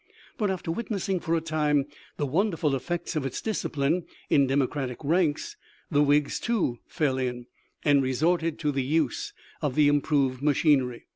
But after witnessing for a time the wonder ful effects of its discipline in Democratic ranks, the Whigs too fell in, and resorted to the use of the improved machinery.